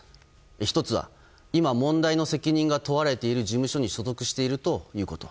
１つは、今問題の責任が問われている事務所に所属しているということ。